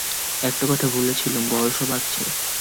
একটা কথা ভুলে ছিলুম, বয়সও বাড়ছে।